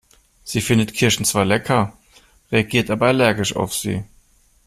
Sie findet Kirschen zwar lecker, reagiert aber allergisch auf sie.